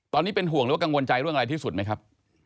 ตอนนี้เป็นห่วงหรือว่ากังวลใจเรื่องอะไรที่สุดไหมครับ